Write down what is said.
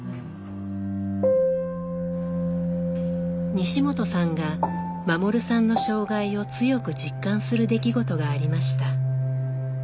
西本さんが護さんの障害を強く実感する出来事がありました。